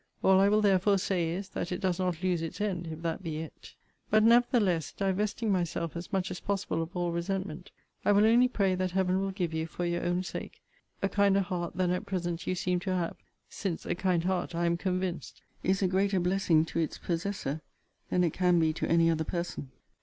All I will therefore say is, that it does not lose its end, if that be it. But, nevertheless, (divesting myself as much as possible of all resentment,) I will only pray that Heaven will give you, for your own sake, a kinder heart than at present you seem to have; since a kind heart, I am convinced, is a greater blessing to its possessor than it can be to any other person.